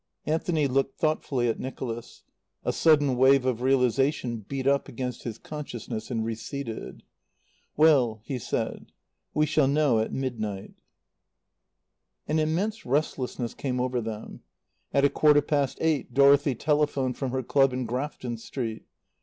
Anthony looked thoughtfully at Nicholas. A sudden wave of realization beat up against his consciousness and receded. "Well," he said, "we shall know at midnight." An immense restlessness came over them. At a quarter past eight Dorothy telephoned from her club in Grafton street.